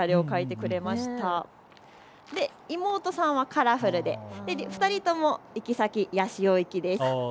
妹さんはカラフルで２人とも行き先は八潮です。